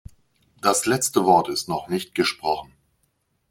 Das letzte Wort ist noch nicht gesprochen.